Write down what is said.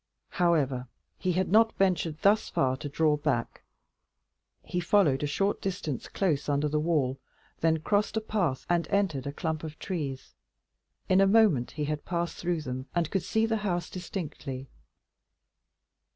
However, he had not ventured thus far to draw back. He followed a short distance close under the wall, then crossed a path, hid entered a clump of trees. In a moment he had passed through them, and could see the house distinctly.